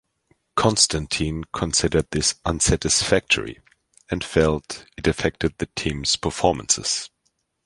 Constantine considered this unsatisfactory, and felt it affected the team's performances.